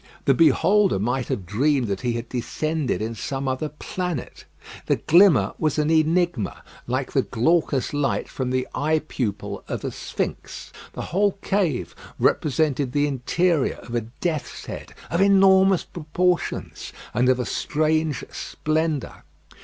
The beholder might have dreamed that he had descended in some other planet. The glimmer was an enigma, like the glaucous light from the eye pupil of a Sphinx. The whole cave represented the interior of a death's head of enormous proportions, and of a strange splendour.